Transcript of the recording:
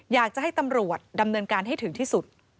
อยากจะให้ตำรวจดำเนินการให้ถึงที่สุด